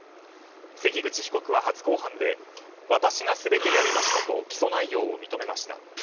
関口被告は初公判で私が全てやりましたと起訴内容を認めました。